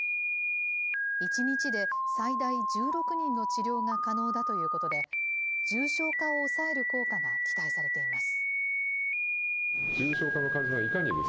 １日で最大１６人の治療が可能だということで、重症化を抑える効果が期待されています。